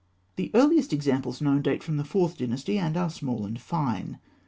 The earliest examples known date from the Fourth Dynasty, and are small and fine.